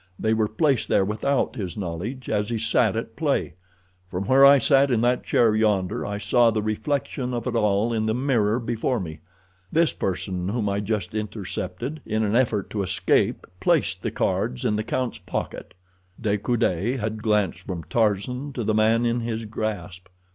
They were placed there without his knowledge as he sat at play. From where I sat in that chair yonder I saw the reflection of it all in the mirror before me. This person whom I just intercepted in an effort to escape placed the cards in the count's pocket." De Coude had glanced from Tarzan to the man in his grasp.